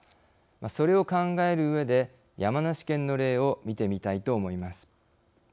それを考えるうえで山梨県の例を見てみたいと思います。